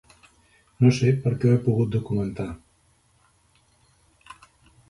Ho sé perquè ho he pogut documentar.